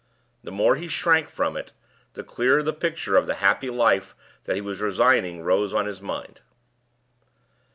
The more he shrank from it, the clearer the picture of the happy life that he was resigning rose on his mind.